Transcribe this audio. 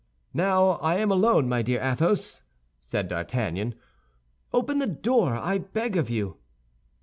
"Now I am alone, my dear Athos," said D'Artagnan; "open the door, I beg of you."